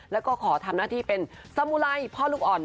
แล้วก็ขอทำหน้าที่เป็นสมุไรพ่อลูกอ่อน